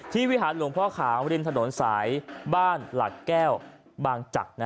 วิหารหลวงพ่อขาวริมถนนสายบ้านหลักแก้วบางจักร